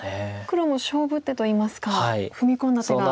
黒も勝負手といいますか踏み込んだ手が。